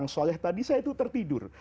saya sudah tidur